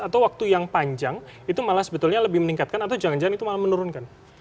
atau waktu yang panjang itu malah sebetulnya lebih meningkatkan atau jangan jangan itu malah menurunkan